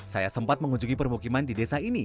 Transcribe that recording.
saya sempat mengunjungi permukiman di desa ini